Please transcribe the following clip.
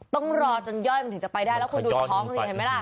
ต้องรอจนย่อยมันถึงจะไปได้แล้วคุณดูท้องสิเห็นไหมล่ะ